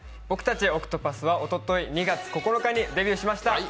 僕たちＯＣＴＰＡＴＨはおととい、２月９日にデビューしました。